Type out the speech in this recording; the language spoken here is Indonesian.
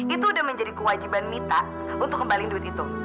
itu udah menjadi kewajiban mita untuk kembali duit itu